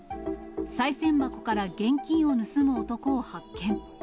さい銭箱から現金を盗む男を発見。